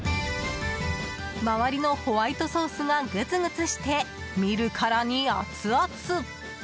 周りのホワイトソースがグツグツして見るからにアツアツ！